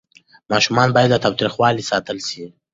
ماشومان باید له تاوتریخوالي ساتل سي.